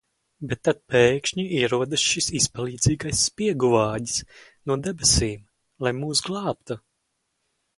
Bet tad pēkšņi ierodas šis izpalīdzīgais spiegu vāģis no debesīm, lai mūs glābtu!